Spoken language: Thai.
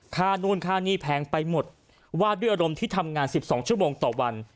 ค่านู่นค่านี่แพงไปหมดว่าด้วยอารมณ์ที่ทำงาน๑๒ชั่วโมงต่อวัน